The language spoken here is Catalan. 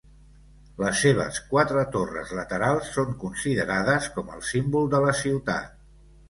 Les seves quatre torres laterals són considerades com el símbol de la ciutat.